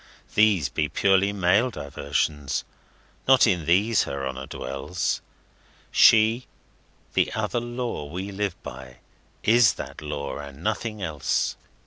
These be purely male diversions not in these her honor dwells She, the Other Law we live by, is that Law and nothing else!